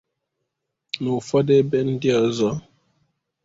na ụfọdụ ebe ndị ọzọ.